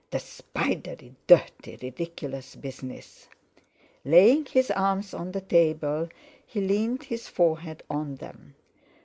The spidery, dirty, ridiculous business! Laying his arms on the table, he leaned his forehead on them.